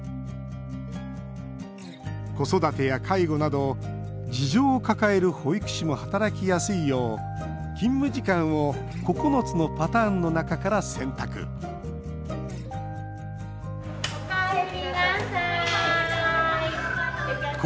子育てや介護など事情を抱える保育士も働きやすいよう、勤務時間を９つのパターンの中から選択おかえりなさい。